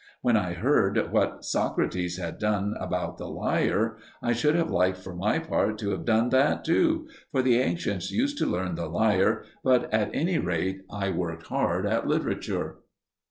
When I heard what Socrates had done about the lyre I should have liked for my part to have done that too, for the ancients used to learn the lyre but, at any rate, I worked hard at literature.